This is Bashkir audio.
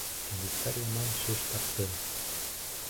Табиптар яман шеш тапты...